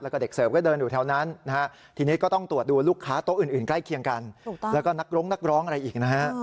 แล้วก็เด็กเสิร์ฟก็เดินอยู่แถวนั้นนะฮะทีนี้ก็ต้องตรวจดูลูกค้าโต๊ะอื่นใกล้เคียงกันแล้วก็นักร้องนักร้องอะไรอีกนะฮะ